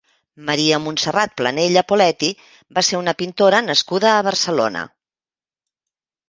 Maria Montserrat Planella Poletti va ser una pintora nascuda a Barcelona.